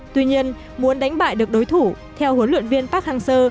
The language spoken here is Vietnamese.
tuy nhiên muốn đánh bại được đối thủ theo huấn luyện viên park hang seo